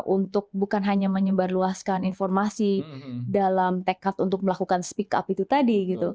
untuk bukan hanya menyebarluaskan informasi dalam tekad untuk melakukan speak up itu tadi